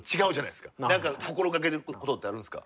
何か心がけてることってあるんですか？